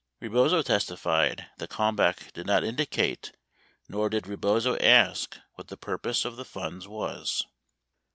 97 Rebozo testified that Kalmbach did not indicate nor did Rebozo ask what the purpose of the funds was.